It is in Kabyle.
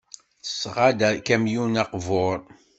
Tesɣa-d akamyun aqbur.